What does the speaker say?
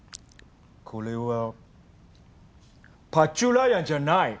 これはパッチューラーヤンじゃない！